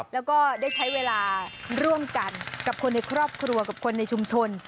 แล้วก็ได้ใช้เวลาร่วมกันกับคนในครอบครัวกับคนในชุมชน